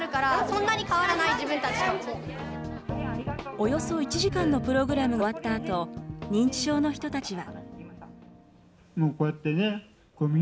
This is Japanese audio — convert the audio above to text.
およそ１時間のプログラムが終わったあと、認知症の人たちは。